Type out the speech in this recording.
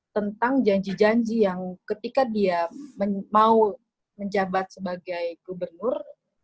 tentang janji janji yang ketika dia mau menjabat sebagai gubernur